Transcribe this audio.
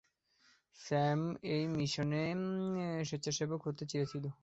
Sam এই মিশনে স্বেচ্ছাসেবক হতে চেয়েছিল।